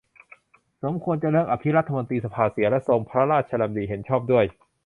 สมควรจะเลิกอภิรัฐมนตรีสภาเสีย และทรงพระราชดำริเห็นชอบด้วย